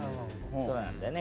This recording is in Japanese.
そうなんだよね。